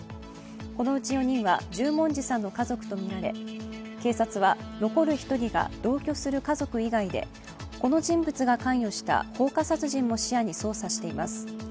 このうち４人は十文字さんの家族とみられ警察は残る１人が同居する家族以外で、この人物が関与した放火殺人も視野に捜査しています。